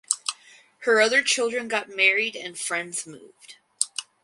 Her other children got married and friends moved.